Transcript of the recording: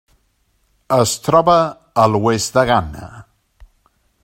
Es troba a l'oest de Ghana.